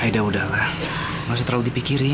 akhirnya kita patung sama siapa aja